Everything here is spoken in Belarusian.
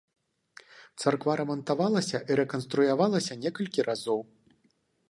Царква рамантавалася і рэканструявалася некалькі разоў.